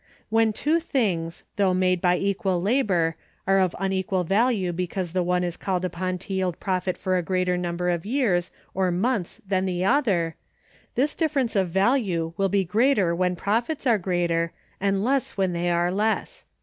When two things, though made by equal labor, are of unequal value because the one is called upon to yield profit for a greater number of years or months than the other, this difference of value will be greater when profits are greater, and less when they are less.